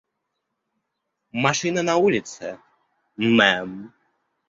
Машина на улице, мэм.